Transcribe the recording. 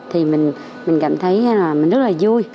thì mình cảm thấy rất là vui